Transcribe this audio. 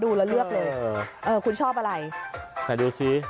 ดูแล้วเลือกเลยเออคุณชอบอะไรแต่ดูสิ